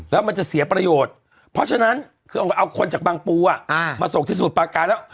แล้วมันจะเสียประโยชน์เพราะฉะนั้นคือเอาคนจากบางปูมาส่งที่สมุทรปาการแล้ว